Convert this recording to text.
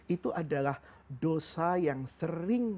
itu adalah dosa yang sering